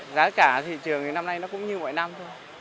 giá cả thị trường thì năm nay nó cũng như mọi năm thôi